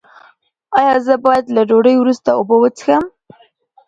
ایا زه باید له ډوډۍ وروسته اوبه وڅښم؟